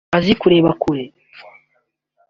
azi kureba kure